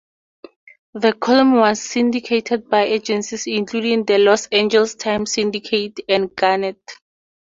The column was syndicated by agencies including The Los Angeles Times Syndicate and Gannett.